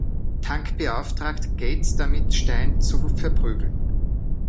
Tank beauftragt Gates damit, Stein zu verprügeln.